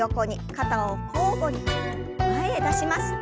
肩を交互に前へ出します。